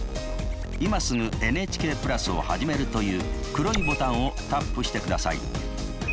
「今すぐＮＨＫプラスをはじめる」という黒いボタンをタップしてください。